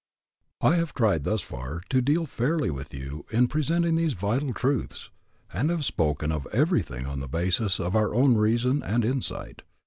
I have tried thus far to deal fairly with you in presenting these vital truths, and have spoken of everything on the basis of our own reason and insight.